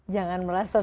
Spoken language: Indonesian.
jangan merasa soleh